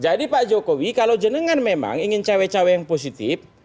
jadi pak jokowi kalau jenengan memang ingin cewek cewek yang positif